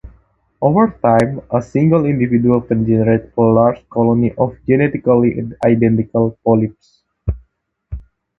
Over time, a single individual can generate a large colony of genetically identical polyps.